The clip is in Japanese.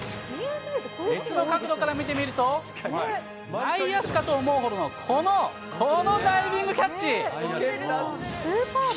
別の角度から見てみると、内野手かと思うほどのこの、このダイビングキャッチ。